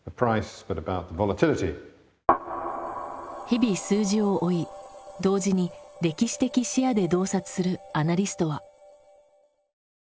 日々数字を追い同時に歴史的視野で洞察するアナリストは。